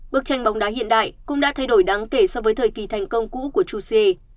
bức tranh bóng đá hiện đại cũng đã thay đổi đáng kể so với thời kỳ thành công cũ của chuse